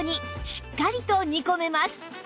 しっかりと煮込めます